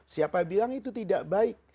siapa bilang itu tidak baik